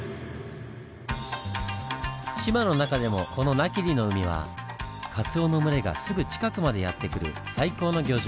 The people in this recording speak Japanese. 志摩の中でもこの波切の海はカツオの群れがすぐ近くまでやって来る最高の漁場。